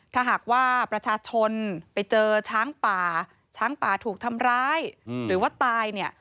ถ้าหากว่าประชาชนไปเจอช้างป่าช้างป่าถูกทำร้ายหรือว่าตายเนี่ย